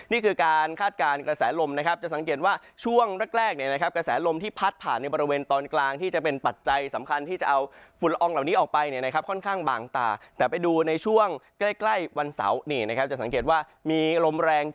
นี่คือการคาดการณ์กระแสลมลมนะครับจะสังเกตว่าช่วงแรกเนี่ยนะครับกระแสลมลมที่พัดผ่านในบริเวณตอนกลางที่จะเป็นปัจจัยสำคัญที่จะเอาฝุ่นละอองเหล่านี้ออกไปเนี่ยนะครับค่อนข้างบางตา